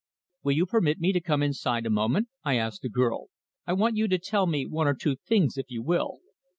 "Will you permit me to come inside a moment?" I asked the girl. "I want you to tell me one or two things, if you will."